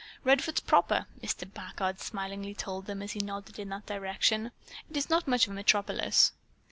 "Redfords proper," Mr. Packard smilingly told them as he nodded in that direction. "It is not much of a metropolis."